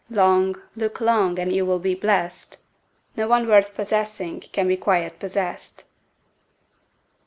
Long, look long and you will be blessed: No one worth possessing Can be quite possessed.